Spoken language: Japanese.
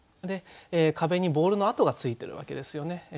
で壁にボールの跡がついてるわけですよね。